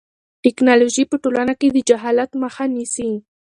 ټیکنالوژي په ټولنه کې د جهالت مخه نیسي.